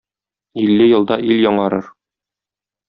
Илле елда ил яңарыр.